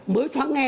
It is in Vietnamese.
mới thoáng nghe